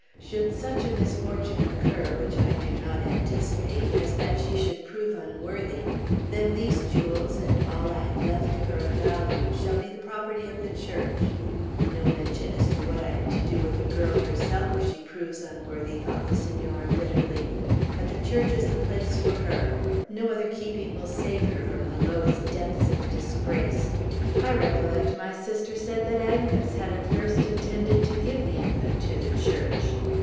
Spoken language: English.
Should such a misfortune occur, which I do not anticipate, as that she should prove unworthy, then these jewels, and all I have left to her of value, shall be the property of the Church." "No mention as to what I am to do with the girl herself if she proves unworthy," thought the Senora, bitterly; "but the Church is the place for her; no other keeping will save her from the lowest depths of disgrace. I recollect my sister said that Angus had at first intended to give the infant to the Church.